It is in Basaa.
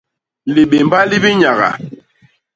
Libémba li bi nyaga.